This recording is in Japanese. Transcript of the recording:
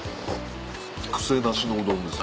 癖なしのうどんです。